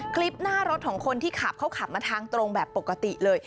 คลิปหน้ารถของคนที่ขับเขาขับมาทางตรงแบบปกติเลย